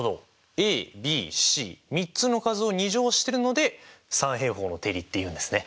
ａｂｃ３つの数を２乗してるので三平方の定理っていうんですね。